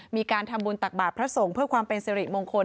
มีการทำบุญตักบาทพระสงฆ์เพื่อความเป็นสิริมงคล